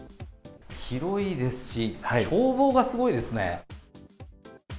広いですし眺望がすごいですね。